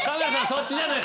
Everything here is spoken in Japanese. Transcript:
そっちじゃない。